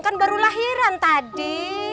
kan baru lahiran tadi